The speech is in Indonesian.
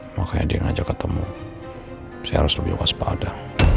makanya dia ngajak ketemu saya harus lebih waspada